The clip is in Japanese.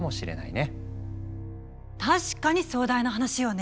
確かに壮大な話よね。